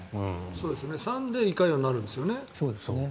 酸で胃潰瘍になるんですよね。